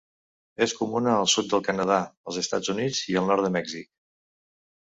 És comuna al sud del Canadà, als Estats Units i al nord de Mèxic.